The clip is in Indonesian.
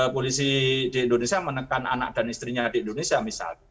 polisi di indonesia menekan anak dan istrinya di indonesia misalnya